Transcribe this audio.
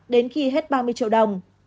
đến khi hết ba mươi triệu đồng